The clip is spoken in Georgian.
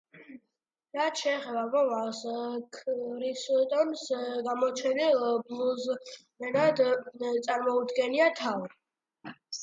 რაც შეეხება მომავალს, ქრისტონს გამოჩენილ ბლუზმენად წარმოუდგენია თავი.